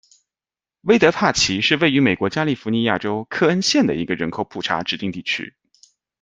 威德帕奇是位于美国加利福尼亚州克恩县的一个人口普查指定地区。